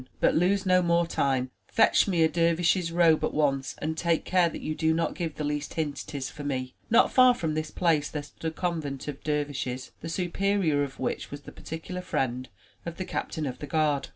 But lose no more time; fetch me a dervish's robe at once and take care that you do not give the least hint it is for me.'* Not far from this place there stood a convent of dervishes, the superior of which was the particular friend of the Captain of the Guard.